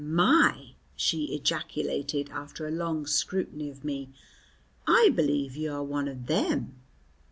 "My," she ejaculated after a long scrutiny of me, "I b'lieve you are one of them!"